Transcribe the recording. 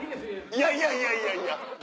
いやいやいやいや。